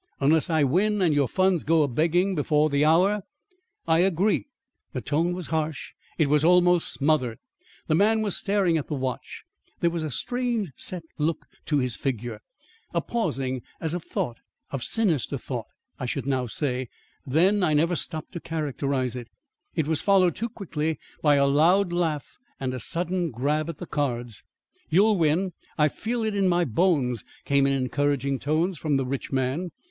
Unless I win and your funds go a begging before the hour." "I agree." The tone was harsh; it was almost smothered. The man was staring at the watch; there was a strange set look to his figure; a pausing as of thought of sinister thought, I should now say; then I never stopped to characterise it; it was followed too quickly by a loud laugh and a sudden grab at the cards. "You'll win! I feel it in my bones," came in encouraging tones from the rich man.